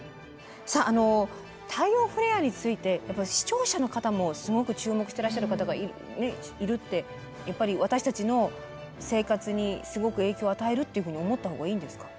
さああの太陽フレアについて視聴者の方もすごく注目してらっしゃる方がいるってやっぱり私たちの生活にすごく影響を与えるっていうふうに思った方がいいんですか？